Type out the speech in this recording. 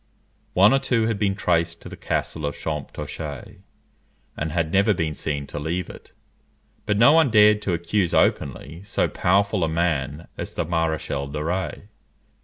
One or two had been traced to the castle of Champtocé, and had never been seen to leave it; but no one dared to accuse openly so powerful a man as the Maréchal de Rays.